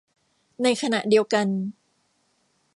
ในขณะเดียวกัน